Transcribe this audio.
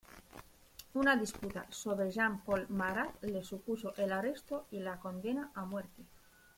Una disputa sobre Jean-Paul Marat le supuso el arresto y la condena a muerte.